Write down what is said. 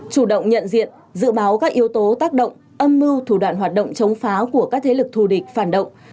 chủ động nhận diện dự báo các yếu tố tác động âm mưu thủ đoạn hoạt động chống phá của các thế lực thù địch phản động